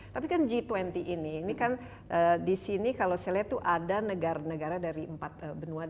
tapi kan g dua puluh ini ini kan di sini kalau saya lihat tuh ada negara negara dari empat benua